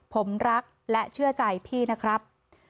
ผมรักและเชื่อใจพี่นะครับ